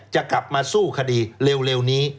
จะกลับมาสู้คดีเร็วนี้